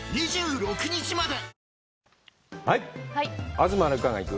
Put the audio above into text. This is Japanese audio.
「東留伽が行く！